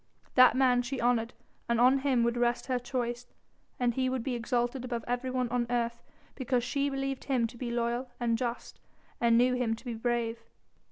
That man she honoured and on him would rest her choice, and he would be exalted above everyone on earth because she believed him to be loyal and just, and knew him to be brave.